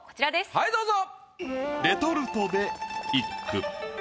はいどうぞ。